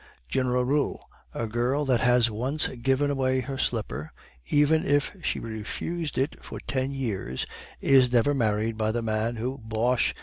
General Rule: A girl that has once given away her slipper, even if she refused it for ten years, is never married by the man who " "Bosh!"